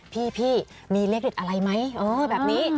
พี่มีเลขเด็ดอะไรไหมแบบนี้